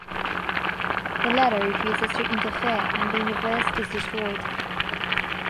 The latter refuses to interfere and the universe is destroyed.